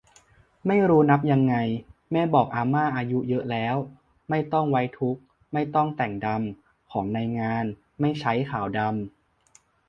ไม่รู้นับยังไง แม่บอกอาม่าอายุเยอะแล้ว ไม่ต้องไว้ทุกข์ ไม่ต้องแต่งดำของในงานไม่ใช้ขาวดำ